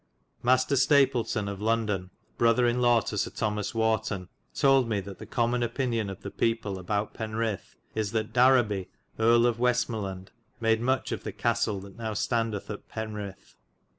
Mastar Stapleton of London, brothar in law to Sir Thomas Wharton, tolde me that the comon opinion of the people aboute Perith is that Da Raby Erie of Westmerland made muche of the castle that now standith at Perith.'"